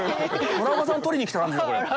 村岡さんを撮りに来た感じですね、これ。